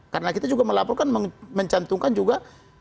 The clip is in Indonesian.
karena kita juga melaporkan mencantumkan juga